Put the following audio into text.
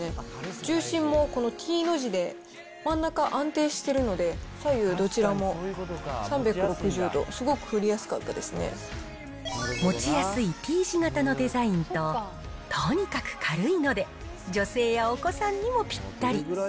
重心もＴの字で、真ん中安定してるので、左右どちらも３６０度、持ちやすいＴ字型のデザインと、とにかく軽いので、女性やお子さんにもぴったり。